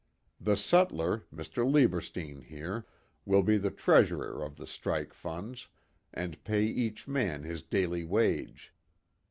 The sutler, Mr. Lieberstein here, will be the treasurer of the strike funds, and pay each man his daily wage.